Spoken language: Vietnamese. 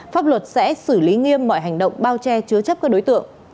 pháp luật sẽ xử lý nghiêm mọi hành động bao che chứa chấp các đối tượng